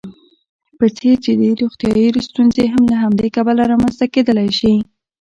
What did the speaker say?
په څېر جدي روغیتايي ستونزې هم له همدې کبله رامنځته کېدلی شي.